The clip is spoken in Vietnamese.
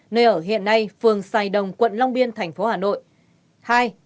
nơi ở hiện nay phường sài đồng quận long biên tp hà nội